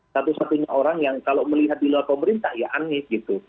satu satunya orang yang kalau melihat di luar pemerintah ya anies gitu